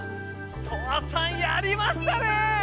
トアさんやりましたねえ！